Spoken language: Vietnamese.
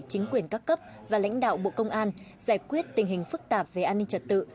chính quyền các cấp và lãnh đạo bộ công an giải quyết tình hình phức tạp về an ninh trật tự